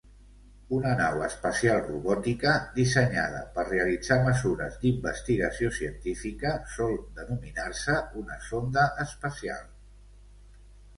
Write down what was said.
Una nau espacial robòtica dissenyada per realitzar mesures d'investigació científica sol denominar-se una sonda espacial.